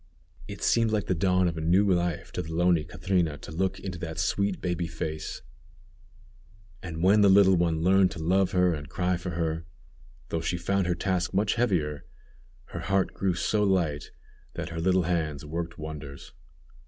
It seemed like the dawn of a new life to the lonely Catrina to look into that sweet baby face, and when the little one learned to love her and cry for her, though she found her task much heavier, her heart grew so light that her little hands worked wonders.